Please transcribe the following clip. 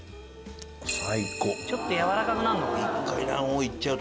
「ちょっとやわらかくなるのかな？」